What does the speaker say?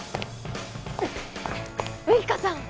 ウイカさん！